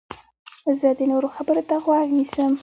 زه د نورو خبرو ته غوږ نیسم.